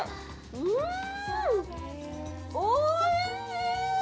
◆うーん、おいしい。